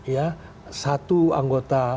ya satu anggota